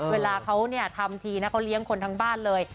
เวลาเขาทำทีนะเขาเลี้ยงคนทั้งบ้านเลย